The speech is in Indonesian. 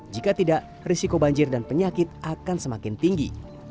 jika tidak risiko banjir dan penyakit akan semakin tinggi